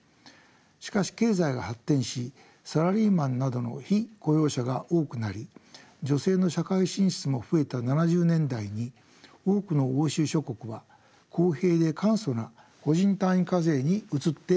しかし経済が発展しサラリーマンなどの被雇用者が多くなり女性の社会進出も増えた７０年代に多くの欧州諸国は公平で簡素な個人単位課税に移っていきました。